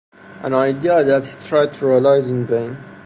An idea that he tried to realize in vain.